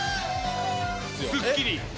すっきり。